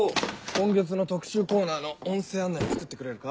今月の特集コーナーの音声案内作ってくれるか？